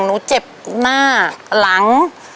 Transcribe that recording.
หนูเจ็บหน้าหลัง